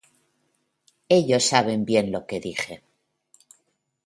Ellos saben bien lo que dije".